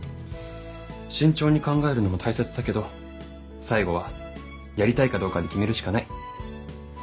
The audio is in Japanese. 慎重に考えるのも大切だけど最後はやりたいかどうかで決めるしかない。